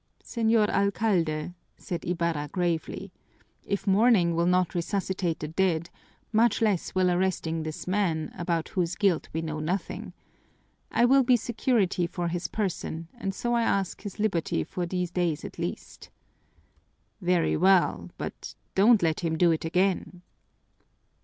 "Señor Alcalde," said Ibarra gravely, "if mourning will not resuscitate the dead, much less will arresting this man about whose guilt we know nothing. I will be security for his person and so I ask his liberty for these days at least." "Very well! But don't let him do it again!"